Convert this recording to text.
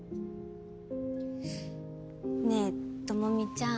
ねぇ朋美ちゃん。